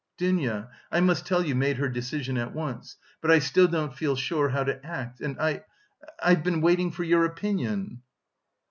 Dounia, I must tell you, made her decision at once, but I still don't feel sure how to act and I... I've been waiting for your opinion."